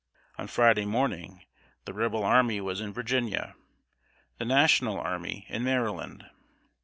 On Friday morning the Rebel army was in Virginia, the National army in Maryland.